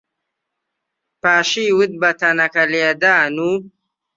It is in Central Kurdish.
پاشیوت بە تەنەکەلێدان و